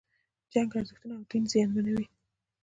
جنگ ارزښتونه او دین زیانمنوي.